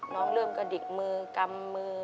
เริ่มกระดิกมือกำมือ